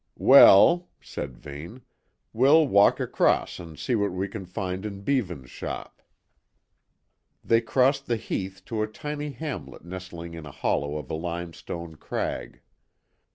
"Well," said Vane, "we'll walk across and see what we can find in Beavan's shop." They crossed the heath to a tiny hamlet nestling in a hollow of a limestone crag.